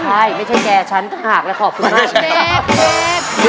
ใช่ไม่ใช่แกฉันก็หากแล้วขอบคุณมาก